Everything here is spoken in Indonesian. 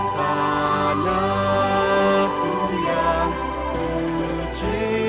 tanahku yang ku cintai